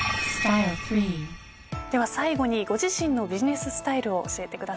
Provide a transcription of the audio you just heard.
では最後にご自身のビジネススタイルを教えてください。